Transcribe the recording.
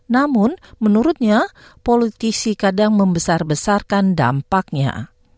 namun menurutnya politisi kadang membesar besarkan dampaknya